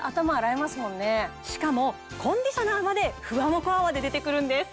しかもコンディショナーまでふわもこ泡で出てくるんです。